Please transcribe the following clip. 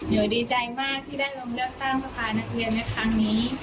ดีใจมากที่ได้ลงเลือกตั้งสภานักเรียนในครั้งนี้